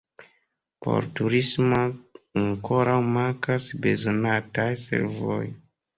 Por turismo ankoraŭ mankas bezonataj servoj.